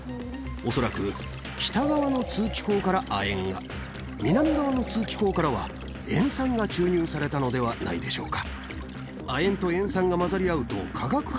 恐らく北側の通気口から亜鉛が南側の通気口からは塩酸が注入されたのではないでしょうか。